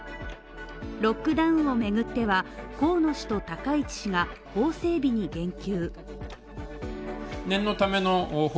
ロックダウンをめぐっては、河野氏と高市氏が法整備に言及。